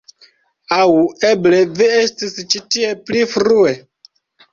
Aŭ eble vi estis ĉi tie pli frue?